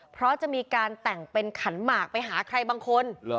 เพราะจะมีการแต่งเป็นขันหมากไปหาใครบางคน